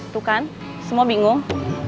tuh kan semua bingung